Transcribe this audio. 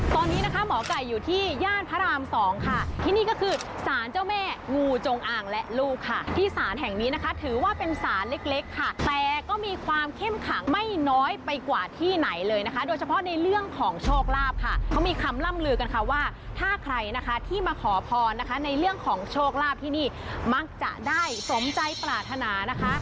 ตอนนี้นะคะหมอไก่อยู่ที่ย่านพระรามสองค่ะที่นี่ก็คือสารเจ้าแม่งูจงอ่างและลูกค่ะที่ศาลแห่งนี้นะคะถือว่าเป็นสารเล็กเล็กค่ะแต่ก็มีความเข้มขังไม่น้อยไปกว่าที่ไหนเลยนะคะโดยเฉพาะในเรื่องของโชคลาภค่ะเขามีคำล่ำลือกันค่ะว่าถ้าใครนะคะที่มาขอพรนะคะในเรื่องของโชคลาภที่นี่มักจะได้สมใจปรารถนานะคะ